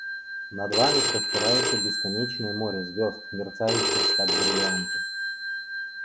Над вами простирается бесконечное море звезд, мерцающих, как бриллианты.